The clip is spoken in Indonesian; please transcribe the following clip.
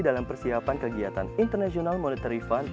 dalam persiapan kegiatan international monetary fund